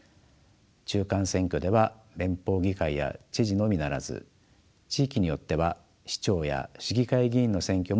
中間選挙では連邦議会や知事のみならず地域によっては市長や市議会議員の選挙も同時に行われます。